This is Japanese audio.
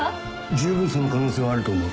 十分その可能性はあると思う。